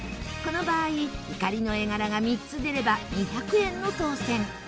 この場合いかりの絵柄が３つ出れば２００円の当せん。